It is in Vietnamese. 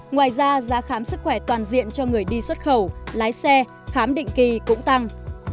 ngoài ra giá khám sức khỏe toàn diện cho người đi xuất khẩu lái xe khám định kỳ cũng tăng